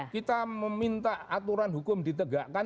kita meminta aturan hukum ditegakkan